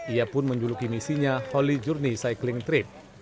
ia pun menjuluki misinya holi journey cycling trip